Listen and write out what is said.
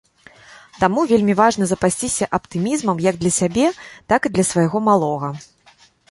Таму вельмі важна запасціся аптымізмам як для сябе, так і для свайго малога.